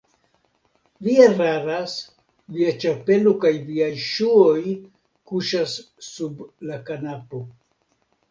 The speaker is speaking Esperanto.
Vi eraras, via ĉapelo kaj viaj ŝuoj kuŝas sub la kanapo.